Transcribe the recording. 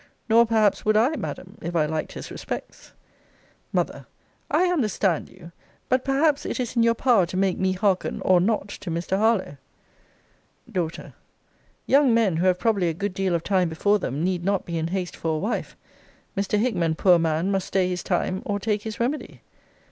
Nor, perhaps, would I, Madam, if I liked his respects. M. I understand you. But, perhaps, it is in your power to make me hearken, or not, to Mr. Harlowe. D. Young men, who have probably a good deal of time before them need not be in haste for a wife. Mr. Hickman, poor man! must stay his time, or take his remedy.